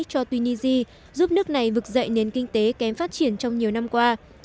cho tunisia giúp nước này vực dậy nền kinh tế kém phát triển trong nhiều năm qua